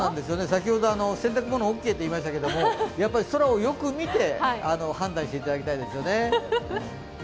先ほど洗濯物オーケーと言いましたけれども、やっぱり空をよく見て判断していただきたいですね。